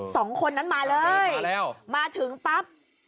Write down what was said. สองคนนั้นมาเลยมาถึงปั๊บ